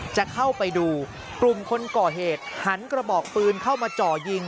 จะเข้าไปดูกลุ่มคนก่อเหตุหันกระบอกปืนเข้ามาจ่อยิง